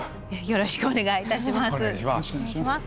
よろしくお願いします。